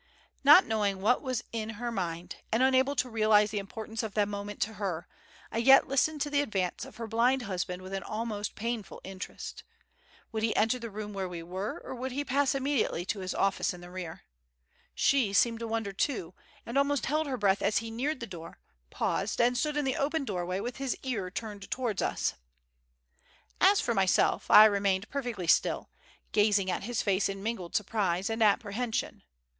Not knowing what was in her mind, and unable to realize the importance of the moment to her, I yet listened to the advance of her blind husband with an almost painful interest. Would he enter the room where we were, or would he pass immediately to his office in the rear? She seemed to wonder too, and almost held her breath as he neared the door, paused, and stood in the open doorway, with his ear turned towards us. As for myself, I remained perfectly still, gazing at his face in mingled surprise and apprehension.